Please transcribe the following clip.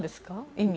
意味。